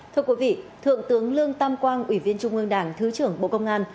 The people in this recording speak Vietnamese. thưa quý vị thượng tướng lương tam quang ủy viên trung ương đảng thứ trưởng bộ công an